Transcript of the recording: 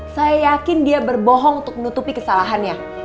saya yakin dia berbohong untuk menutupi kesalahannya